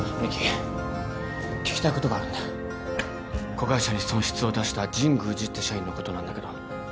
子会社に損失を出した神宮寺って社員のことなんだけど。